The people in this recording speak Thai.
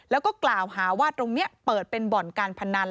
แล้วก็กล่าวหาว่าตรงนี้เปิดเป็นบ่อนการพนัน